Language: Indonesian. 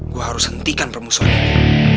gue harus hentikan permusuhan ini